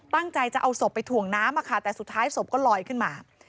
ตั้งใจจะเอาศพไปถ่วงน้ำแต่สุดท้ายศพก็ลอยขึ้นมา